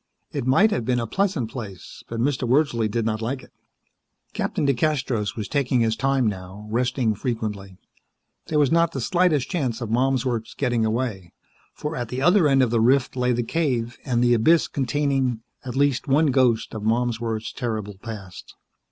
It might have been a pleasant place, but Mr. Wordsley did not like it. Captain DeCastros was taking his time now, resting frequently. There was not the slightest chance of Malmsworth's getting away, for at the other end of the rift lay the cave and the abyss containing, at least, one ghost of Malmsworth's terrible past.